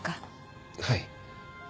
はい。